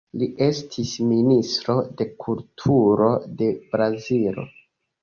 Li estis ministro de Kulturo de Brazilo.